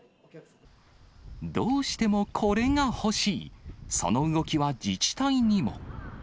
どうしてもこれが欲しい、その動きは自治体にも。